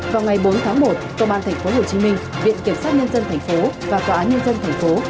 vào ngày bốn tháng một công an thành phố hồ chí minh viện kiểm soát nhân dân thành phố và quả án nhân dân thành phố